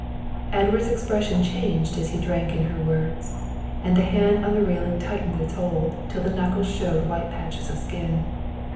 Edward's expression changed as he drank in her words, and the hand on the railing tightened its hold till the knuckles showed white patches of skin.